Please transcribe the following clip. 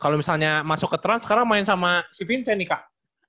kalau misalnya masuk ke trans sekarang main sama si vincent nih kak